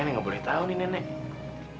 nenek gak boleh tahu nih nenek